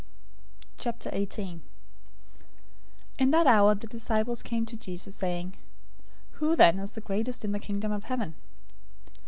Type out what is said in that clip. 018:001 In that hour the disciples came to Jesus, saying, "Who then is greatest in the Kingdom of Heaven?"